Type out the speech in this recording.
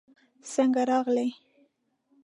څنګه راغلې؟